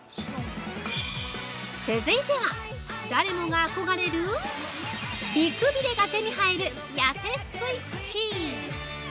続いては、誰もが憧れる美くびれが手に入るやせスイッチ。